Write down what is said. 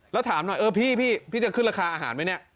แล้วถามหน่อยพี่จะขึ้นราคาอาหารไหม